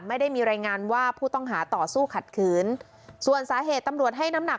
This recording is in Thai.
ไม่ได้มีรายงานว่าผู้ต้องหาต่อสู้ขัดขืนส่วนสาเหตุตำรวจให้น้ำหนัก